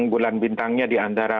bulan bintangnya diantara